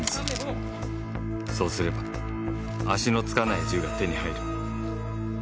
そうすれば足のつかない銃が手に入る。